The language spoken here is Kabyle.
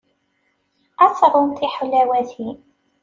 Ad teṛwumt tiḥlawatin.